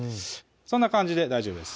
そんな感じで大丈夫です